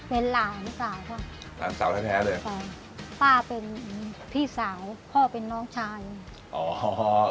เป็นหลานสาวค่ะหลานสาวแท้แท้เลยใช่ป้าเป็นพี่สาวพ่อเป็นน้องชายอ๋อ